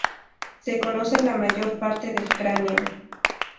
Se conoce la mayor parte del cráneo.